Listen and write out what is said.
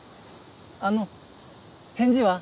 あの返事は？